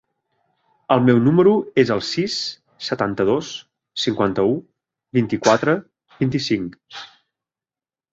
El meu número es el sis, setanta-dos, cinquanta-u, vint-i-quatre, vint-i-cinc.